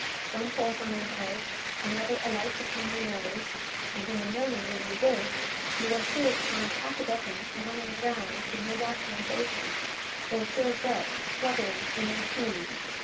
One falls on your head; another alights upon your nose; and in the morning, when you wake, you are sure to find half a dozen lying drowned in your wash hand basin, or served up, struggling, in your tea.